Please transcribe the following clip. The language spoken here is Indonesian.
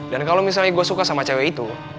dan kalau misalnya gue suka sama cewek itu